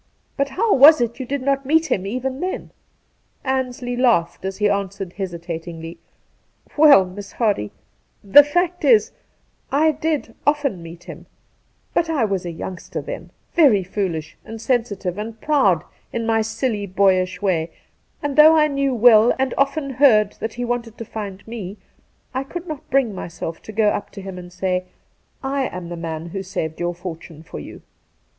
' But how was it you did not meet him even then ?' Ansley laughed, as he answered hesitatingly :' Well, Miss Hardy, the fact is, I did often meet him ; but I was a youngster then — very foolish, and sensitive, and proud in my silly boyish way, and though I knew well and often heard that he wanted to find me, I could not bring myself to go up to him and say, " I am the man who saved your fortune for you."